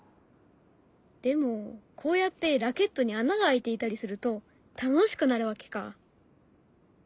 でもこうやってラケットに穴が開いていたりすると楽しくなるわけか。